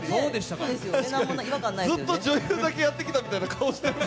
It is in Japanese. ずっと女優だけやってきたみたいな顔してる。